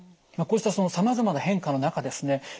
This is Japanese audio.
こうしたさまざまな変化の中ですね